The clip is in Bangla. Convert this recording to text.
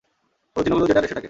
পদচিহ্নগুলো যেটার সেটাকে।